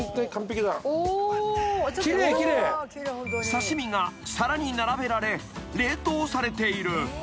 ［刺し身が皿に並べられ冷凍されている］